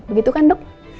begitu kan dok